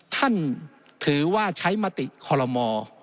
ท่านถือว่าใช้มติคอลโลมอ